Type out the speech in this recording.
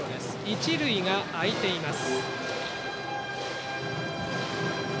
一塁が空いています。